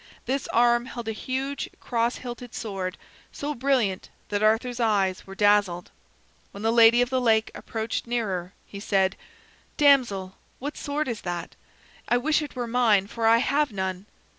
This arm held a huge cross hilted sword, so brilliant that Arthur's eyes were dazzled. When the Lady of the Lake approached nearer, he said: "Damsel, what sword is that? I wish it were mine, for I have none."